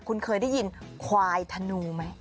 คุณเคยได้ยินควายธนูไหม